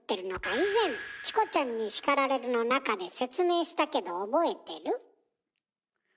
以前「チコちゃんに叱られる！」の中で説明したけど覚えてる？